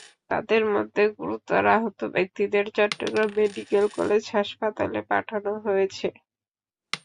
তাঁদের মধ্যে গুরুতর আহত ব্যক্তিদের চট্টগ্রাম মেডিকেল কলেজ হাসপাতালে পাঠানো হয়েছে।